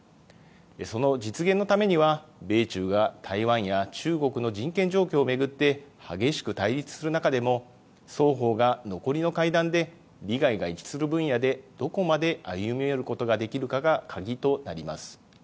その実現のためには、米中が台湾や中国の人権状況を巡って激しく対立する中でも、双方が残りの会談で利害が一致する分野で、どこまで歩み寄ることができるかが鍵となります。